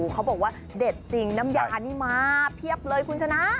เขาบอกว่าเด็ดจริงน้ำยานี่มาเพียบเลยคุณชนะ